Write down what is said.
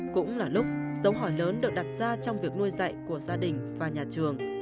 cũng là lúc dấu hỏi lớn được đặt ra trong việc nuôi dạy của gia đình và nhà trường